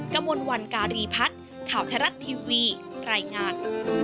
กระมวลวันการีพัฒน์ข่าวไทยรัฐทีวีรายงาน